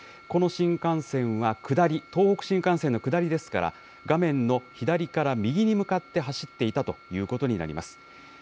この新幹線は下り、東北新幹線の下りですから、画面の左から右に向かって走っていたということになります。